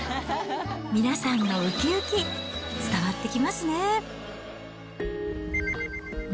皆さんのうきうき、伝わってきますね。